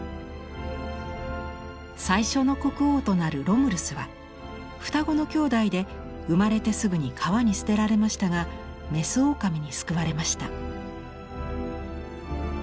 最初の国王となるロムルスは双子の兄弟で生まれてすぐに川に捨てられましたが牝狼に救われました。